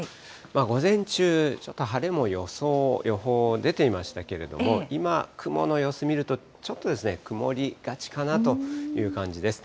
午前中、ちょっと晴れも予報出ていましたけれども、今、雲の様子を見ると、ちょっと曇りがちかなという感じです。